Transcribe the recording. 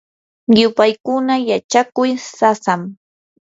yupaykuna yachakuy sasam.